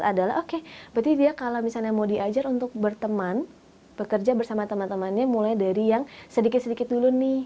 adalah oke berarti dia kalau misalnya mau diajar untuk berteman bekerja bersama teman temannya mulai dari yang sedikit sedikit dulu nih